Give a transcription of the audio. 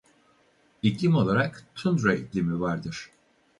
İklim olarak tundra iklimi vardır.